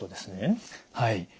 はい。